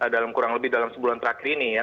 dalam kurang lebih dalam sebulan terakhir ini ya